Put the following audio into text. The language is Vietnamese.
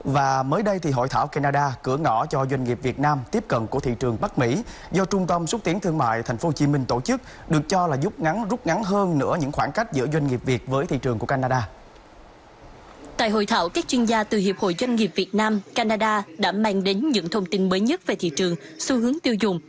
hôm nay canada đã mang đến những thông tin mới nhất về thị trường xu hướng tiêu dùng